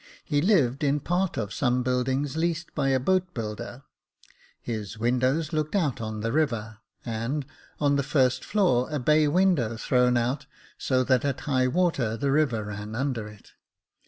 He lived in part of some buildings leased by a boat builder ; his windows looked out on the river ; and, on the first floor, a bay window thrown out, so that at high water the river ran under it.